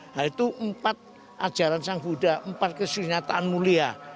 nah itu empat ajaran sang buddha empat kesenjataan mulia